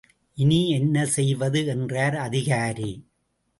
இனி என்ன செய்வது? என்றார் அதிகாரி.